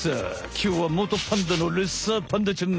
きょうはもとパンダのレッサーパンダちゃん。